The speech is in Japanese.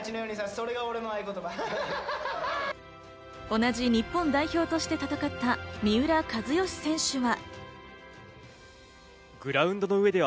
同じ日本代表として戦った三浦知良選手は。